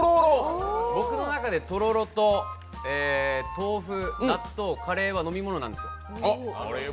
僕の中では、とろろ、豆腐、納豆、カレーは飲み物なんですよ。